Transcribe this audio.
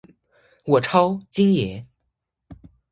我超，京爷